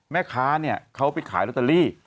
แม่ค้าเนี่ยเขาไปขายลอตเตอรี่